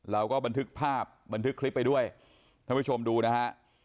เราก็บันทึกภาพบันทึกคลิปไปด้วยท่านผู้ชมดูนะฮะ